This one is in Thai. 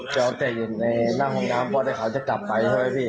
แซวแต่ยังในนั่งข้างน้ำพอดายเขาจะกลับไป